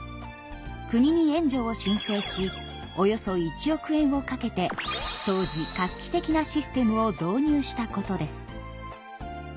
国に援助を申請しおよそ１億円をかけて当時画期的なシステムを導入したことです。